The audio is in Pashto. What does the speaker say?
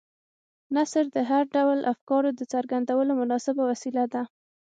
نثر د هر ډول افکارو د څرګندولو مناسبه وسیله ده.